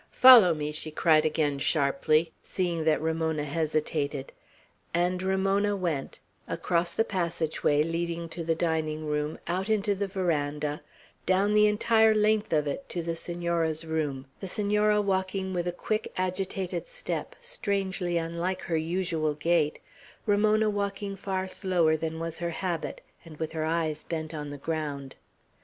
"Follow me!" she cried again sharply, seeing that Ramona hesitated; and Ramona went; across the passage way leading to the dining room, out into the veranda, down the entire length of it, to the Senora's room, the Senora walking with a quick, agitated step, strangely unlike her usual gait; Ramona walking far slower than was her habit, and with her eyes bent on the ground.